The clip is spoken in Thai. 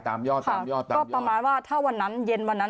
ยอดตามยอดตามก็ประมาณว่าถ้าวันนั้นเย็นวันนั้น